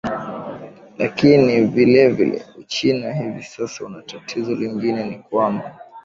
lakina vile vile uchina hivi sasa inatatizo lingine ni kwamba